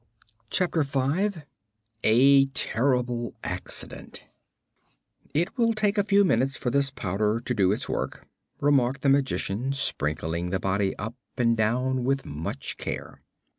Chapter Five A Terrible Accident "It will take a few minutes for this powder to do its work," remarked the Magician, sprinkling the body up and down with much care.